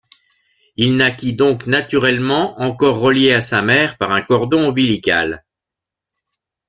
Il naquit donc naturellement encore relié à sa mère par un cordon ombilical.